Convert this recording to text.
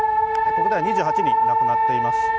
ここでは２８人、亡くなっています。